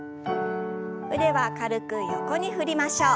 腕は軽く横に振りましょう。